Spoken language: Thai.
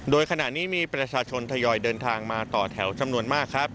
โดยขณะนี้มีประชาชนทยอยเดินทางมาต่อแถวจำนวนมากครับ